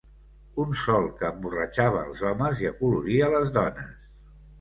Un sol que emborratxava els homes i acoloria les dones